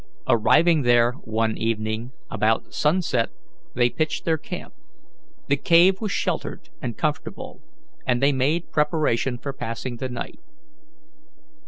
Arriving there one evening about sunset, they pitched their camp. The cave was sheltered and comfortable, and they made preparation for passing the night.